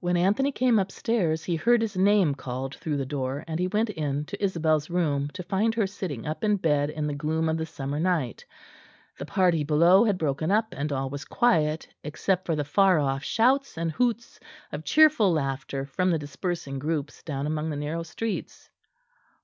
When Anthony came upstairs he heard his name called through the door, and went in to Isabel's room to find her sitting up in bed in the gloom of the summer night; the party below had broken up, and all was quiet except for the far off shouts and hoots of cheerful laughter from the dispersing groups down among the narrow streets.